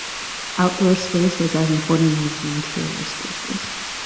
Outdoor space was as important as the interior spaces.